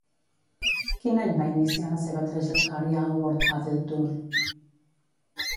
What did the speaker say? Quin any va iniciar la seva trajectòria al World Padel Tour?